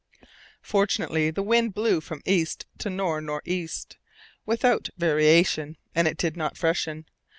Fortunately, the wind blew from east to north nor' east without variation, and it did not freshen.